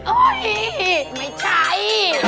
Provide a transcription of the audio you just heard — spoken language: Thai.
โอ๊ยไม่ใช่